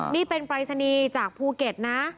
นี่เป็นปรายศนีย์จากภูเก็ตนะ